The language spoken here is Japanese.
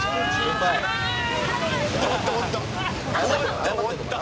終わった、終わった！